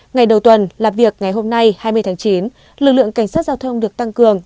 ngày đầu tuần làm việc ngày hôm nay hai mươi tháng chín lực lượng cảnh sát giao thông được tăng cường